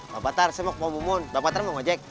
bang patar sibuk mau memun bang patar mau ngajek